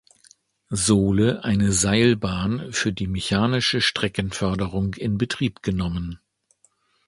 Sohle eine Seilbahn für die mechanische Streckenförderung in Betrieb genommen.